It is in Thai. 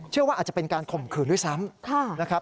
เชื่อว่าอาจจะเป็นการข่มขืนด้วยซ้ำนะครับ